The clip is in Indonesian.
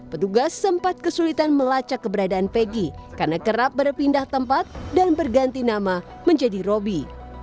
petugas sempat kesulitan melacak keberadaan peggy karena kerap berpindah tempat dan berganti nama menjadi robi